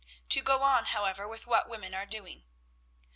To go on, however, with what women are doing.